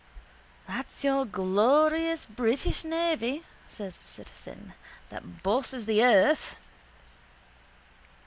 —That's your glorious British navy, says the citizen, that bosses the earth.